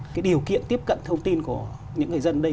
cái điều kiện tiếp cận thông tin của những người dân đây